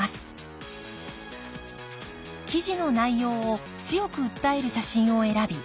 記事の内容を強く訴える写真を選び